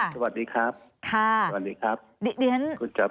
สวัสดีครับ